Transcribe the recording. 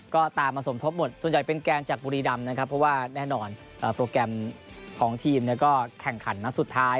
ก็ตามมาสมทบหมดส่วนใหญ่เป็นแกนจากบุรีรำนะครับเพราะว่าแน่นอนโปรแกรมของทีมก็แข่งขันนัดสุดท้าย